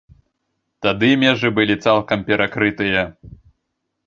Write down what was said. Тады межы былі цалкам перакрытыя.